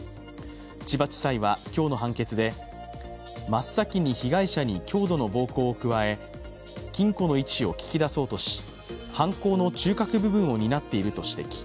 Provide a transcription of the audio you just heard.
千葉地裁は今日の判決で、真っ先に被害者に強度の暴行を加え金庫の位置を聞き出そうとし犯行の中核部分を担っていると指摘。